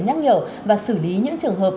nhắc nhở và xử lý những trường hợp